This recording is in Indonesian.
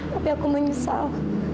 tapi aku menyesal